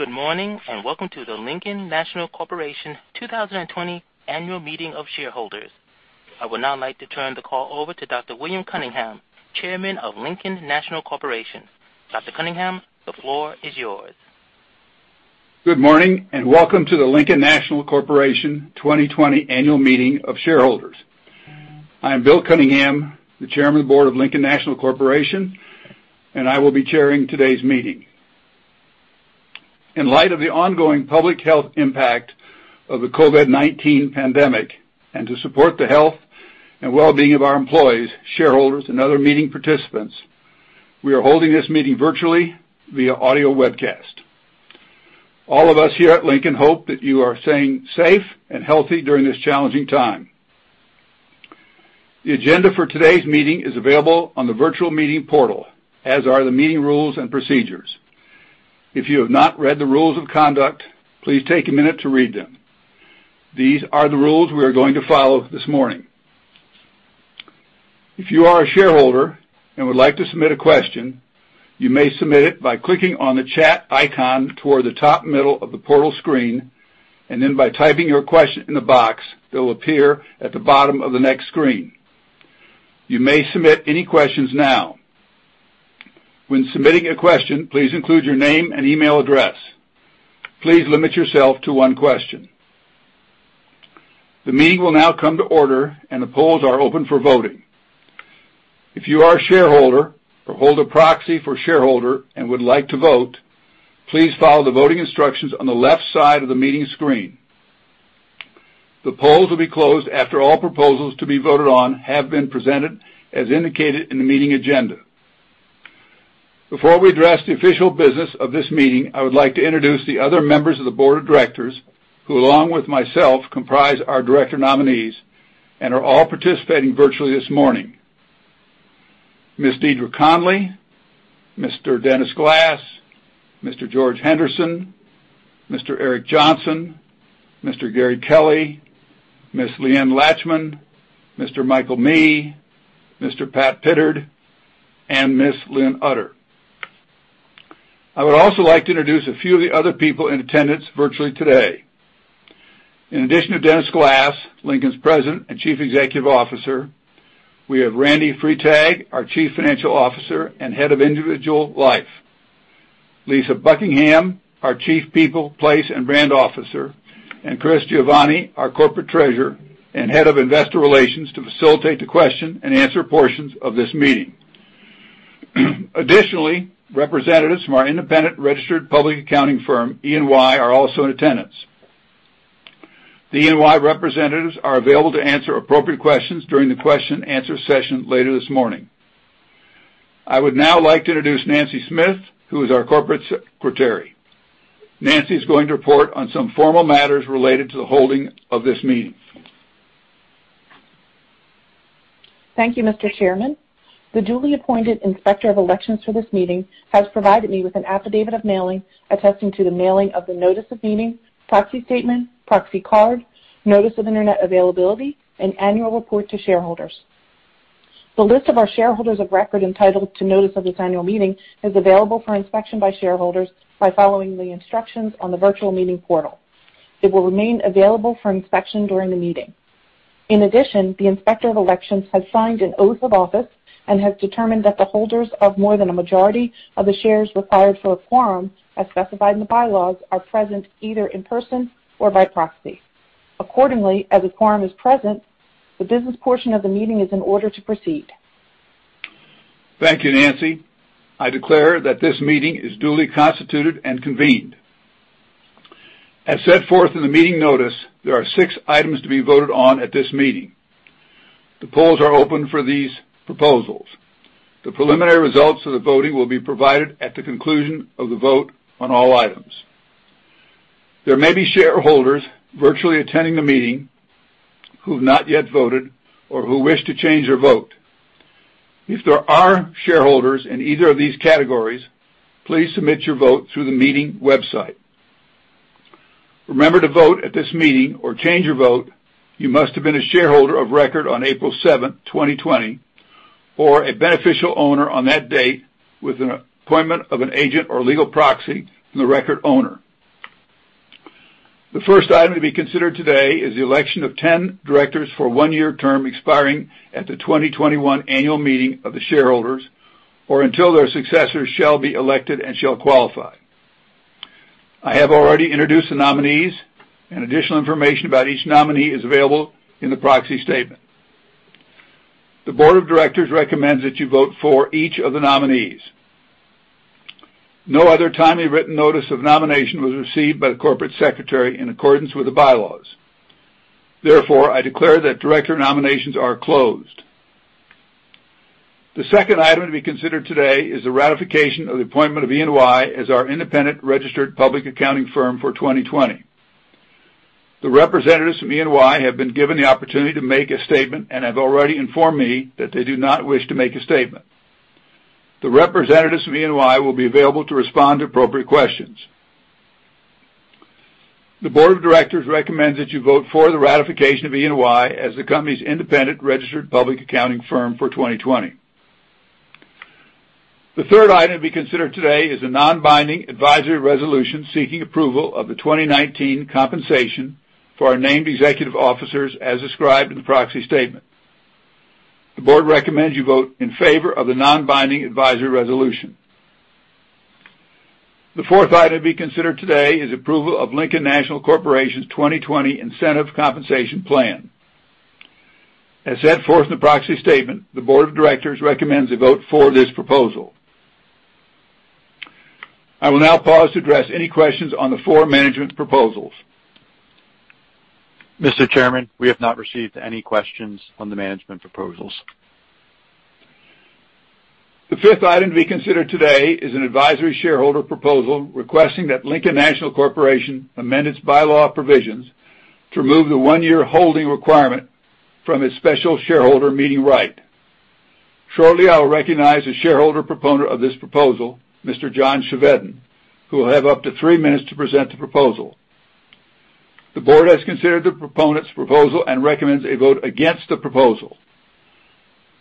Good morning, and welcome to the Lincoln National Corporation 2020 Annual Meeting of Shareholders. I would now like to turn the call over to Dr. William Cunningham, Chairman of Lincoln National Corporation. Dr. Cunningham, the floor is yours. Good morning, and welcome to the Lincoln National Corporation 2020 Annual Meeting of Shareholders. I am Bill Cunningham, the Chairman of the Board of Lincoln National Corporation, and I will be chairing today's meeting. In light of the ongoing public health impact of the COVID-19 pandemic, and to support the health and well-being of our employees, shareholders, and other meeting participants, we are holding this meeting virtually via audio webcast. All of us here at Lincoln hope that you are staying safe and healthy during this challenging time. The agenda for today's meeting is available on the virtual meeting portal, as are the meeting rules and procedures. If you have not read the rules of conduct, please take a minute to read them. These are the rules we are going to follow this morning. If you are a shareholder and would like to submit a question, you may submit it by clicking on the chat icon toward the top middle of the portal screen, and then by typing your question in the box that will appear at the bottom of the next screen. You may submit any questions now. When submitting a question, please include your name and email address. Please limit yourself to one question. The meeting will now come to order, and the polls are open for voting. If you are a shareholder or hold a proxy for a shareholder and would like to vote, please follow the voting instructions on the left side of the meeting screen. The polls will be closed after all proposals to be voted on have been presented as indicated in the meeting agenda. Before we address the official business of this meeting, I would like to introduce the other members of the board of directors, who along with myself comprise our director nominees and are all participating virtually this morning. Ms. Deirdre Connelly, Mr. Dennis Glass, Mr. George Henderson, Mr. Eric Johnson, Mr. Gary Kelly, Ms. Leanne Lachman, Mr. Michael Mee, Mr. Pat Pittard, and Ms. Lynn Utter. I would also like to introduce a few of the other people in attendance virtually today. In addition to Dennis Glass, Lincoln's President and Chief Executive Officer, we have Randy Freitag, our Chief Financial Officer and Head of Individual Life. Lisa Buckingham, our Chief People, Place, and Brand Officer, and Chris Giovanni, our Corporate Treasurer and Head of Investor Relations to facilitate the question and answer portions of this meeting. Additionally, representatives from our independent registered public accounting firm, EY, are also in attendance. The EY representatives are available to answer appropriate questions during the question-answer session later this morning. I would now like to introduce Nancy Smith, who is our Corporate Secretary. Nancy is going to report on some formal matters related to the holding of this meeting. Thank you, Mr. Chairman. The duly appointed Inspector of Elections for this meeting has provided me with an affidavit of mailing attesting to the mailing of the notice of meeting, proxy statement, proxy card, notice of internet availability, and annual report to shareholders. The list of our shareholders of record entitled to notice of this annual meeting is available for inspection by shareholders by following the instructions on the virtual meeting portal. It will remain available for inspection during the meeting. The Inspector of Elections has signed an oath of office and has determined that the holders of more than a majority of the shares required for a quorum, as specified in the bylaws, are present either in person or by proxy. As a quorum is present, the business portion of the meeting is in order to proceed. Thank you, Nancy. I declare that this meeting is duly constituted and convened. As set forth in the meeting notice, there are six items to be voted on at this meeting. The polls are open for these proposals. The preliminary results of the voting will be provided at the conclusion of the vote on all items. There may be shareholders virtually attending the meeting who've not yet voted or who wish to change their vote. If there are shareholders in either of these categories, please submit your vote through the meeting website. Remember, to vote at this meeting or change your vote, you must have been a shareholder of record on April 7th, 2020, or a beneficial owner on that date with an appointment of an agent or legal proxy from the record owner. The first item to be considered today is the election of 10 directors for a one-year term expiring at the 2021 annual meeting of the shareholders or until their successors shall be elected and shall qualify. I have already introduced the nominees. Additional information about each nominee is available in the proxy statement. The board of directors recommends that you vote for each of the nominees. No other timely written notice of nomination was received by the Corporate Secretary in accordance with the bylaws. I declare that director nominations are closed. The second item to be considered today is the ratification of the appointment of EY as our independent registered public accounting firm for 2020. The representatives from EY have been given the opportunity to make a statement and have already informed me that they do not wish to make a statement. The representatives from EY will be available to respond to appropriate questions. The board of directors recommends that you vote for the ratification of EY as the company's independent registered public accounting firm for 2020. The third item to be considered today is a non-binding advisory resolution seeking approval of the 2019 compensation for our named executive officers as described in the proxy statement. The board recommends you vote in favor of the non-binding advisory resolution. The fourth item to be considered today is approval of Lincoln National Corporation's 2020 Incentive Compensation Plan. As set forth in the proxy statement, the board of directors recommends a vote for this proposal. I will now pause to address any questions on the four management proposals. Mr. Chairman, we have not received any questions on the management proposals. The fifth item to be considered today is an advisory shareholder proposal requesting that Lincoln National Corporation amend its bylaw provisions to remove the one-year holding requirement from its special shareholder meeting right. Shortly, I will recognize the shareholder proponent of this proposal, Mr. John Chevedden, who will have up to three minutes to present the proposal. The board has considered the proponent's proposal and recommends a vote against the proposal.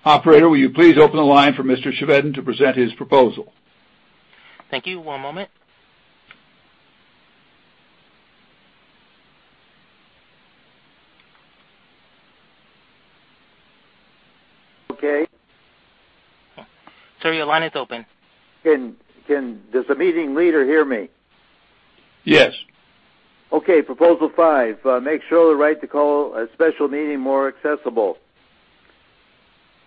Operator, will you please open the line for Mr. Chevedden to present his proposal? Thank you. One moment. Okay. Sir, your line is open. Does the meeting leader hear me? Yes. Proposal 5, make shareholder right to call a special meeting more accessible.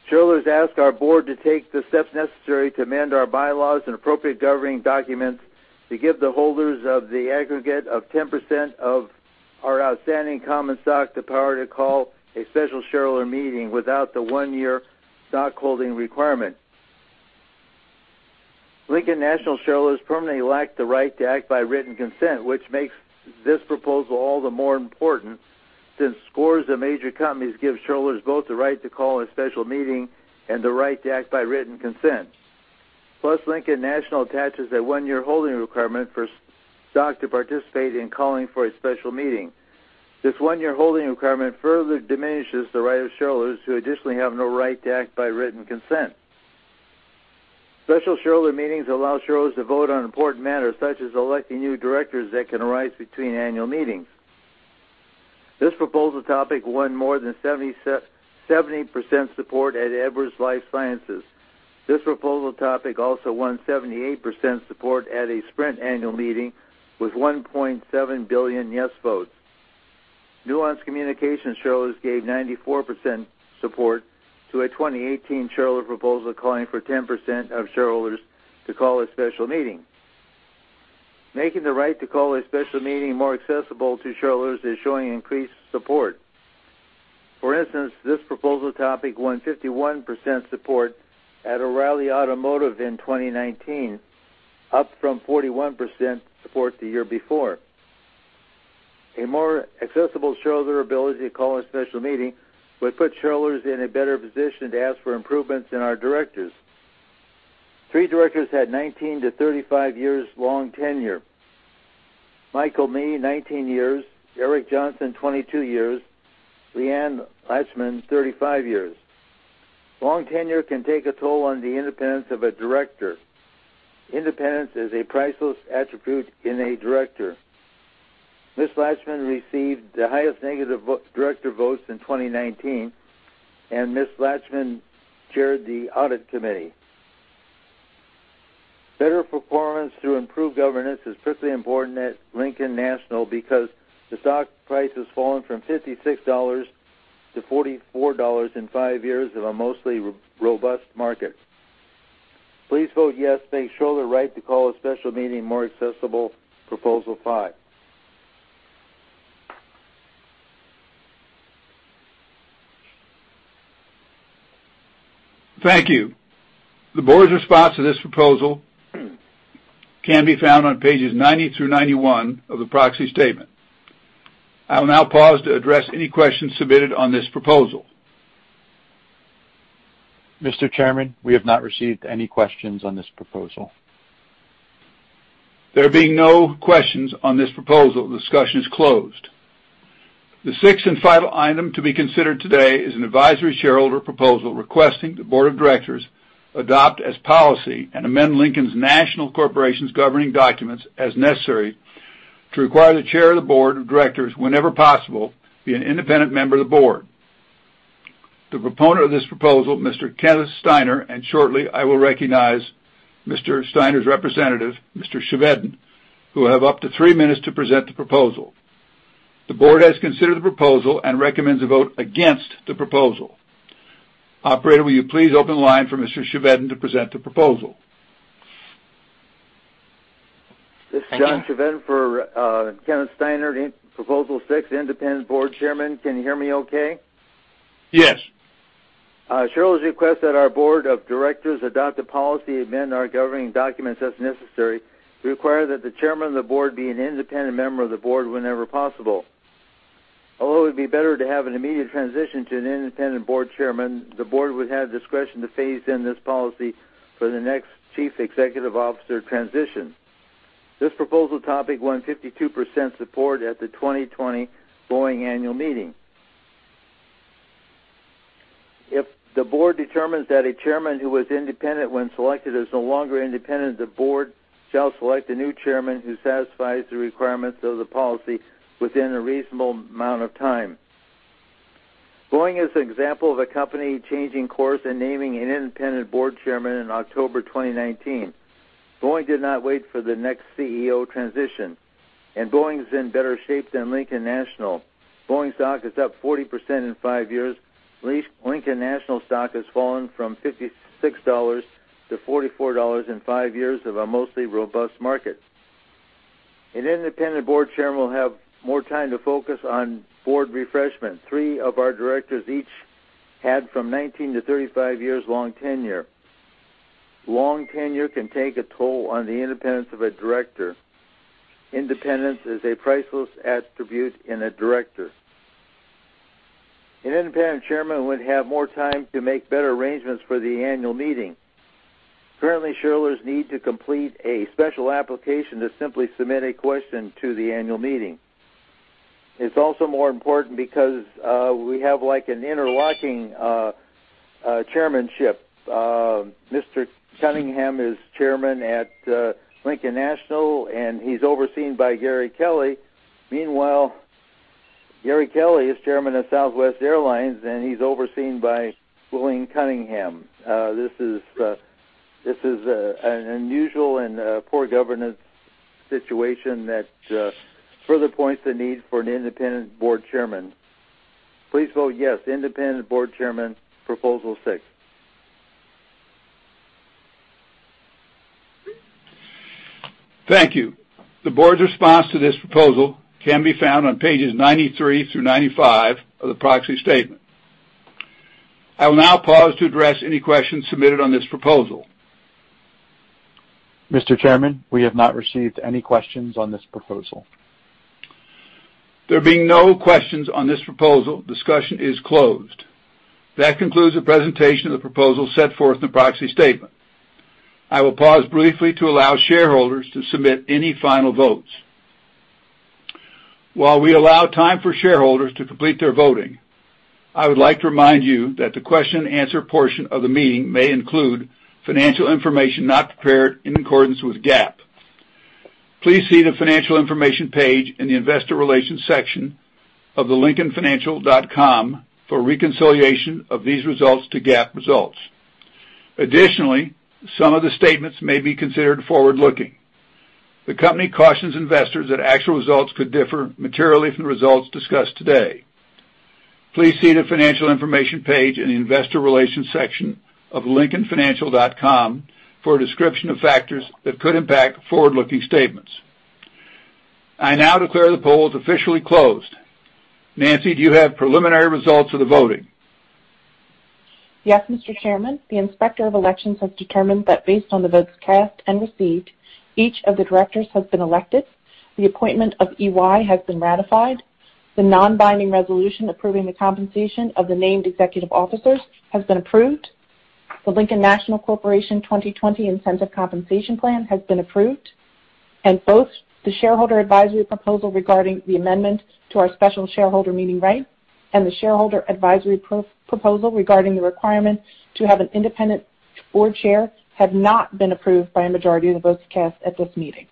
Shareholders ask our board to take the steps necessary to amend our bylaws and appropriate governing documents to give the holders of the aggregate of 10% of our outstanding common stock the power to call a special shareholder meeting without the one-year stock holding requirement. Lincoln National shareholders permanently lack the right to act by written consent, which makes this proposal all the more important since scores of major companies give shareholders both the right to call a special meeting and the right to act by written consent. Lincoln National attaches a one-year holding requirement for stock to participate in calling for a special meeting. This one-year holding requirement further diminishes the right of shareholders who additionally have no right to act by written consent. Special shareholder meetings allow shareholders to vote on important matters such as electing new directors that can arise between annual meetings. This proposal topic won more than 70% support at Edwards Lifesciences. This proposal topic also won 78% support at a Sprint annual meeting with 1.7 billion yes votes. Nuance Communications shareholders gave 94% support to a 2018 shareholder proposal calling for 10% of shareholders to call a special meeting. Making the right to call a special meeting more accessible to shareholders is showing increased support. For instance, this proposal topic won 51% support at O'Reilly Automotive in 2019, up from 41% support the year before. A more accessible shareholder ability to call a special meeting would put shareholders in a better position to ask for improvements in our directors. Three directors had 19-35 years long tenure. Michael Mee, 19 years, Eric Johnson, 22 years, Leanne Lachman, 35 years. Long tenure can take a toll on the independence of a director. Independence is a priceless attribute in a director. Ms. Lachman received the highest negative director votes in 2019, and Ms. Lachman chaired the audit committee. Better performance through improved governance is particularly important at Lincoln National because the stock price has fallen from $56 to $44 in five years of a mostly robust market. Please vote yes to make shareholder right to call a special meeting more accessible, proposal five. Thank you. The board's response to this proposal can be found on pages 90 through 91 of the proxy statement. I will now pause to address any questions submitted on this proposal. Mr. Chairman, we have not received any questions on this proposal. There being no questions on this proposal, the discussion is closed. The sixth and final item to be considered today is an advisory shareholder proposal requesting the board of directors adopt as policy and amend Lincoln National Corporation's governing documents as necessary to require the chair of the board of directors, whenever possible, be an independent member of the board. Shortly I will recognize Mr. Kenneth Steiner, and shortly I will recognize Mr. Steiner's representative, Mr. Chevedden, who will have up to three minutes to present the proposal. The board has considered the proposal and recommends a vote against the proposal. Operator, will you please open the line for Mr. Chevedden to present the proposal? This is John Chevedden for Kenneth Steiner, proposal six, independent board chairman. Can you hear me okay? Yes. Shareholders request that our board of directors adopt a policy to amend our governing documents as necessary to require that the chairman of the board be an independent member of the board whenever possible. Although it would be better to have an immediate transition to an independent board chairman, the board would have discretion to phase in this policy for the next chief executive officer transition. This proposal topic won 52% support at the 2020 Boeing annual meeting. If the board determines that a chairman who was independent when selected is no longer independent, the board shall select a new chairman who satisfies the requirements of the policy within a reasonable amount of time. Boeing is an example of a company changing course and naming an independent board chairman in October 2019. Boeing did not wait for the next CEO transition. Boeing is in better shape than Lincoln National. Boeing stock is up 40% in five years. Lincoln National stock has fallen from $56 to $44 in five years of a mostly robust market. An independent board chairman will have more time to focus on board refreshment. Three of our directors each had from 19 to 35 years long tenure. Long tenure can take a toll on the independence of a director. Independence is a priceless attribute in a director. An independent chairman would have more time to make better arrangements for the annual meeting. Currently, shareholders need to complete a special application to simply submit a question to the annual meeting. It's also more important because we have an interlocking chairmanship. Mr. Cunningham is chairman at Lincoln National. He's overseen by Gary Kelly. Meanwhile, Gary Kelly is chairman of Southwest Airlines. He's overseen by William Cunningham. This is an unusual and poor governance situation that further points the need for an independent board chairman. Please vote yes. Independent board chairman, proposal six. Thank you. The board's response to this proposal can be found on pages 93 through 95 of the proxy statement. I will now pause to address any questions submitted on this proposal. Mr. Chairman, we have not received any questions on this proposal. There being no questions on this proposal, discussion is closed. That concludes the presentation of the proposal set forth in the proxy statement. I will pause briefly to allow shareholders to submit any final votes. While we allow time for shareholders to complete their voting, I would like to remind you that the question and answer portion of the meeting may include financial information not prepared in accordance with GAAP. Please see the financial information page in the investor relations section of lincolnfinancial.com for reconciliation of these results to GAAP results. Some of the statements may be considered forward-looking. The company cautions investors that actual results could differ materially from the results discussed today. Please see the financial information page in the investor relations section of lincolnfinancial.com for a description of factors that could impact forward-looking statements. I now declare the polls officially closed. Nancy, do you have preliminary results of the voting? Yes, Mr. Chairman. The Inspector of Elections has determined that based on the votes cast and received, each of the directors has been elected, the appointment of EY has been ratified, the non-binding resolution approving the compensation of the named executive officers has been approved, the Lincoln National Corporation 2020 Incentive Compensation Plan has been approved, and both the shareholder advisory proposal regarding the amendment to our special shareholder meeting right and the shareholder advisory proposal regarding the requirement to have an independent board chair have not been approved by a majority of the votes cast at this meeting.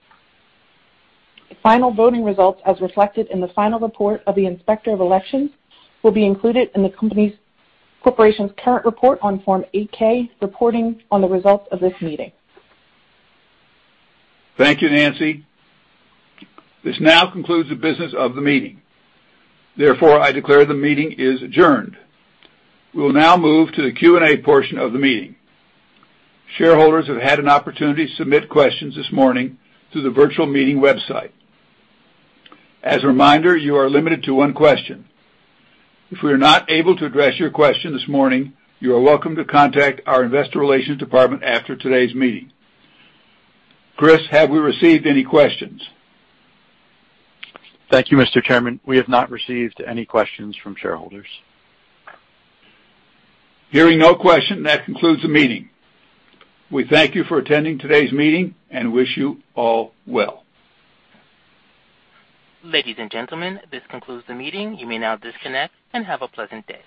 The final voting results, as reflected in the final report of the Inspector of Elections, will be included in the corporation's current report on Form 8-K, reporting on the results of this meeting. Thank you, Nancy. This now concludes the business of the meeting. I declare the meeting is adjourned. We will now move to the Q&A portion of the meeting. Shareholders have had an opportunity to submit questions this morning through the virtual meeting website. As a reminder, you are limited to one question. If we are not able to address your question this morning, you are welcome to contact our investor relations department after today's meeting. Chris, have we received any questions? Thank you, Mr. Chairman. We have not received any questions from shareholders. Hearing no question, that concludes the meeting. We thank you for attending today's meeting and wish you all well. Ladies and gentlemen, this concludes the meeting. You may now disconnect and have a pleasant day.